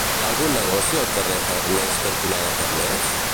Hi ha algun negoci al carrer Farnés cantonada Farnés?